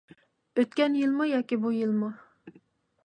ئۆتكەن يىلمۇ ياكى بۇ يىلمۇ؟